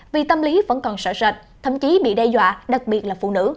vì tâm lý vẫn còn sợ sạch thậm chí bị đe dọa đặc biệt là phụ nữ